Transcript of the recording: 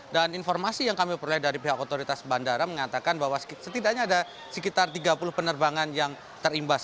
dan informasi yang kami perlukan dari pihak otoritas bandara mengatakan bahwa setidaknya ada sekitar tiga puluh penerbangan yang terimbas